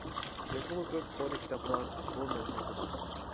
تېخىمۇ كۆپ كونا كىتابلار بۇ مەنزىلدە بار.